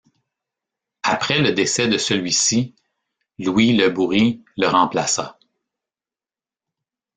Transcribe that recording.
Après le décès de celui-ci, Louis Le Bourhis le remplaça.